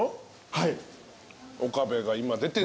はい。